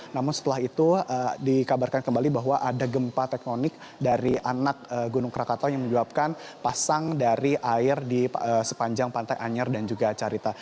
namun setelah itu dikabarkan kembali bahwa ada gempa teknonik dari anak gunung krakatau yang menyebabkan pasang dari air di sepanjang pantai anyer dan juga carita